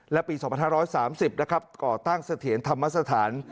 และปี๒๕๓๐นะครับก่อตั้งเสถียรธรรมสถาน